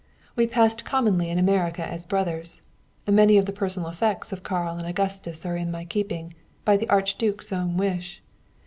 We passed commonly in America as brothers. Many of the personal effects of Karl and Augustus are in my keeping by the Archduke's own wish.